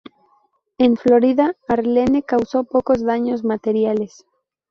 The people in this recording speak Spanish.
En Florida, Arlene causó pocos daños materiales.